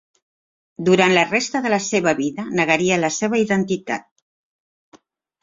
Durant la resta de la seva vida negaria la seva identitat.